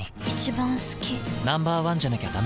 Ｎｏ．１じゃなきゃダメだ。